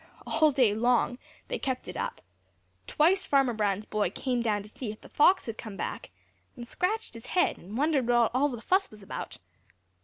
All day long they kept it up. Twice Farmer Brown's boy came down to see if that fox had come back, and scratched his head, and wondered what all the fuss was about.